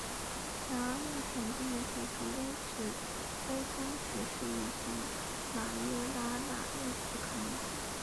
然而目前并未排除微中子是一种马约拉纳粒子的可能性。